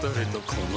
この